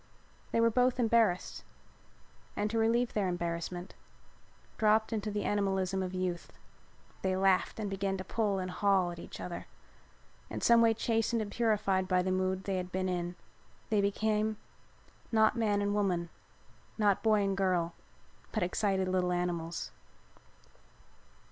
They were both embarrassed and to relieve their embarrassment dropped into the animalism of youth. They laughed and began to pull and haul at each other. In some way chastened and purified by the mood they had been in, they became, not man and woman, not boy and girl, but excited little animals.